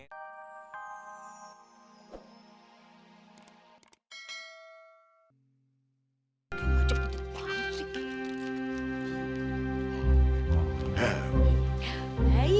cepet banget sih